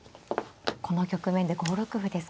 この局面で５六歩ですか。